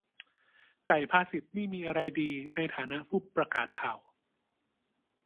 ไก่ภาษิตนี่มีอะไรดีในฐานะผู้ประกาศข่าว ? -_